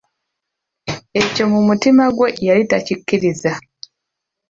Ekyo mu mutima gwe yali takikkiriza.